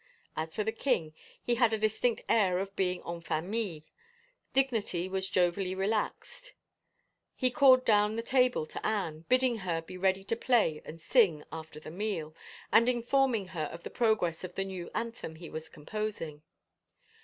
As for the king, he had a distinct air of being en famille. Dignity was jovially relaxed ; he called down the table to Anne, bidding her be ready to play and sing after the meal, and informing her of the progress of the new anthem he was composing.